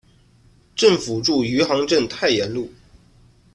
政府驻余杭镇太炎路。